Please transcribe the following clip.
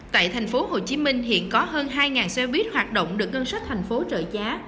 tại tp hcm hiện có hơn hai xe buýt hoạt động được ngân sách thành phố trợ giá